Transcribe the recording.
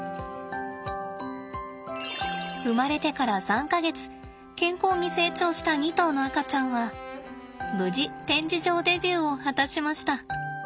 生まれてから３か月健康に成長した２頭の赤ちゃんは無事展示場デビューを果たしました。